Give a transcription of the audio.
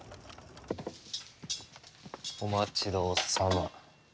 お待ちどおさま。